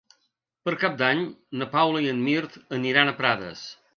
Per Cap d'Any na Paula i en Mirt aniran a Prades.